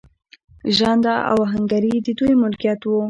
ژرنده او اهنګري د دوی ملکیت و.